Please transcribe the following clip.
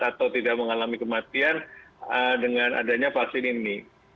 atau tidak mengalami kematian dengan adanya vaksin ini